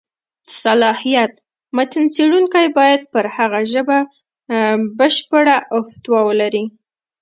صلاحیت: متن څېړونکی باید پر هغه ژبه بشېړه احتوا ولري.